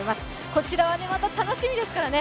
こちらはまた楽しみですからね。